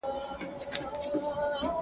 زه به د سوالونو جواب ورکړی وي